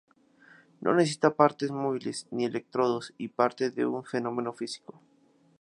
No necesita partes móviles, ni electrodos, y parte de un fenómeno físico.